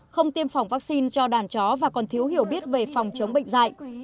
không tiêm phòng vaccine cho đàn chó và còn thiếu hiểu biết về phòng chống bệnh dạy